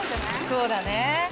そうだね。